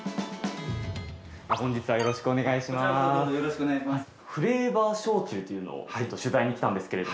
よろしくお願いします。